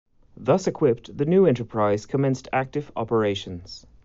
Thus equipped the new enterprise commenced active operations.